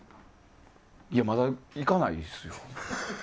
まだ行かないですよ。